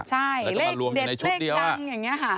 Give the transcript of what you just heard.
ใช่แล้วก็มารวมอยู่ในชุดเดียวอะ